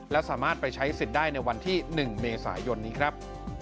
และสามารถไปใช้สิทธิ์ได้ในวันที่๑เมษายนนี้ครับ